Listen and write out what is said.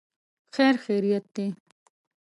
خیر خیریت دی.